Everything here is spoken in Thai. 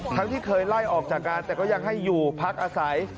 ที่เคยไล่ออกจากงานแต่ก็ยังให้อยู่พักอาศัย